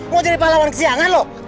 mau jadi pahlawan kesiangan loh